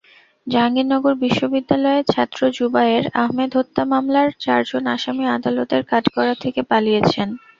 জাহাঙ্গীরনগর বিশ্ববিদ্যালয়ের ছাত্র জুবায়ের আহমেদ হত্যা মামলার চারজন আসামি আদালতের কাঠগড়া থেকে পালিয়েছেন।